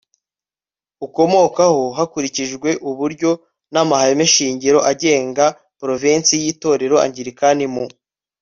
ukomokaho hakurikijwe uburyo n amahameshingiro agenga Porovensi y Itorero Angilikani mu